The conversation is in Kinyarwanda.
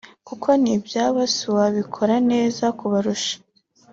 kuko ni ibyabo siwabikora neza kubarusha